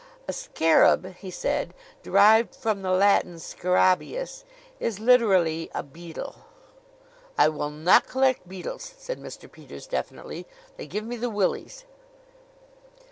"A scarab," he said "derived from the Latin scarabeus is literally a beetle." "I will not collect beetles!" said Mr. Peters definitely. "They give me the Willies."